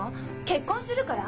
結婚するから？